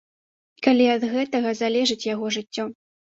Калі ад гэтага залежыць яго жыццё.